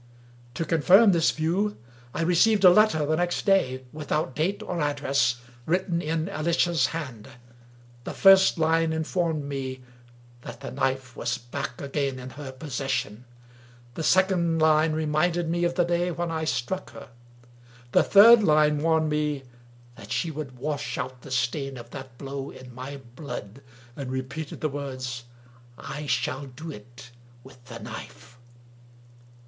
To confirm this view I Teceived a letter the next day, without date or address^ written in Alicia's hand. The first line informed me that the knife was back again in her possession. The second line reminded me of the day when I struck her. The third line warned me that she would wash out the stain of that blow in my blood, and repeated the words, " I shall do it with the knife!"